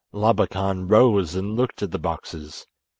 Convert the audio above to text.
Labakan rose and looked at the boxes.